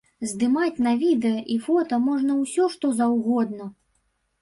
Здымаць на відэа і фота можна ўсё што заўгодна.